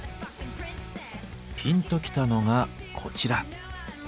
ピンときたのがこちら。